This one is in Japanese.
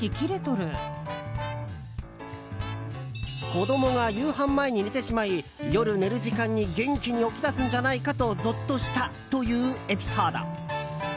子供が夕飯前に寝てしまい夜寝る時間に元気に起き出すんじゃないかとゾッとしたというエピソード。